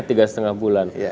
tiga setengah bulan